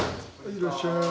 いらっしゃい。